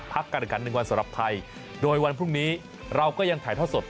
พักการการ๑วันสำหรับไทยโดยวันพรุ่งนี้เราก็ยังถ่ายท่อสด